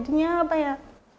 saya masih kecil saya masih kecil